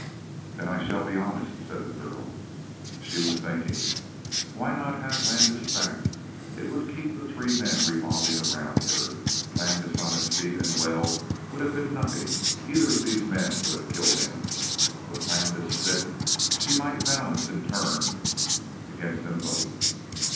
"Then I shall be honest," said the girl. She was thinking: Why not have Landis back? It would keep the three men revolving around her. Landis on his feet and well would have been nothing; either of these men would have killed him. But Landis sick she might balance in turn against them both.